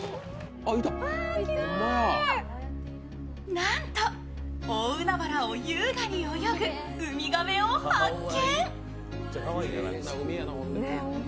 なんと、大海原を優雅に泳ぐ海亀を発見。